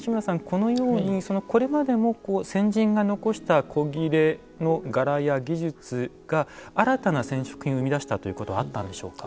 このようにこれまでも先人が残した古裂の柄や技術が新たな染織品を生み出したっていうことはあったんでしょうか？